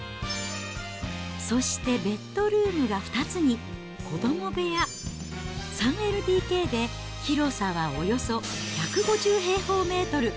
そしてベッドルームが２つに子ども部屋、３ＬＤＫで、広さはおよそ１５０平方メートル。